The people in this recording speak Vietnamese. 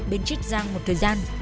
bên trích giang một thời gian